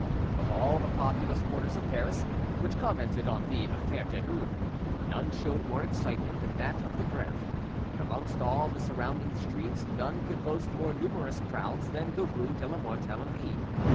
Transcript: Of all the populous quarters of Paris which commented on the "affaire Derues," none showed more excitement than that of the Greve, and amongst all the surrounding streets none could boast more numerous crowds than the rue de la Mortellerie.